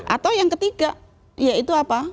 atau yang ketiga ya itu apa